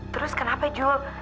terus kenapa juli